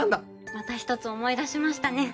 また１つ思い出しましたね。